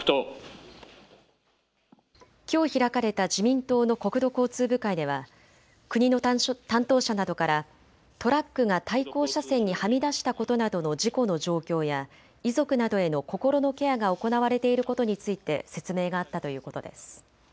きょう開かれた自民党の国土交通部会では国の担当者などからトラックが対向車線にはみ出したことなどの事故の状況や遺族などへの心のケアが行われていることについて説明があったということです。